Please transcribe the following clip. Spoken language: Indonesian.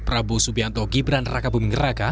prabowo subianto gibran raka bumenggeraka